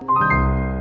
suaranya nyaris ya